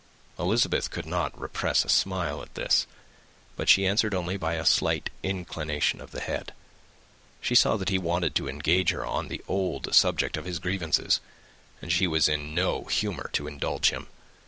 Elizabeth could not repress a smile at this, but she answered only by a slight inclination of the head. She saw that he wanted to engage her on the old subject of his grievances, and she was in no humour to indulge him.